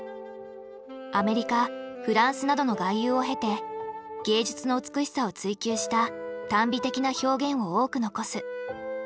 アメリカフランスなどの外遊を経て芸術の美しさを追求した耽美的な表現を多く残す。